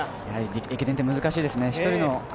やはり駅伝って難しいですね。